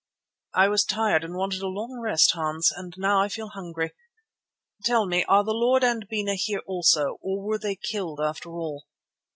"I was tired and wanted a long rest, Hans, and now I feel hungry. Tell me, are the lord and Bena here also, or were they killed after all?"